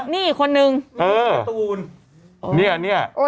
นี่อีกคนนึงมีมีการ์ตูน